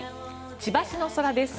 千葉市の空です。